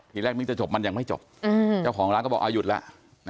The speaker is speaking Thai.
ที่แรกนี้จะจบมันยังไม่จบอืมจ้าของร้านก็บอกอ่าหยุดแล้วนะฮะ